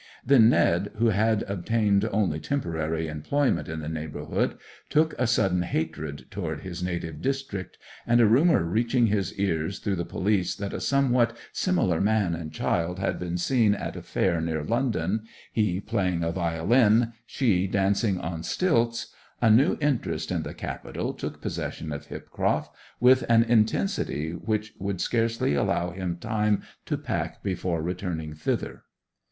Then Ned, who had obtained only temporary employment in the neighbourhood, took a sudden hatred toward his native district, and a rumour reaching his ears through the police that a somewhat similar man and child had been seen at a fair near London, he playing a violin, she dancing on stilts, a new interest in the capital took possession of Hipcroft with an intensity which would scarcely allow him time to pack before returning thither.